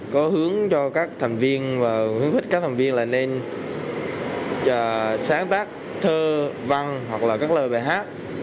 có hướng cho các thành viên và khuyến khích các thành viên là nên sáng tác thơ văn hoặc là các lời bài hát